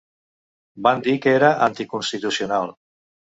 Van dir que era anticonstitucional.